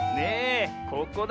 ここだ。